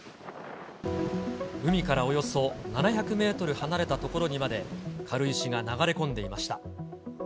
海からおよそ７００メートル離れた所にまで軽石が流れ込んでいました。